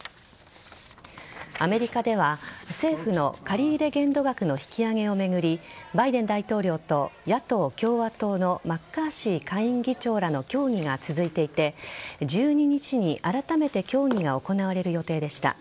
アメリカでは政府の借入限度額の引き上げを巡りバイデン大統領と野党・共和党のマッカーシー下院議長らの協議が続いていて１２日にあらためて協議が行われる予定でした。